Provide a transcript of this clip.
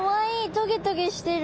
トゲトゲしてる。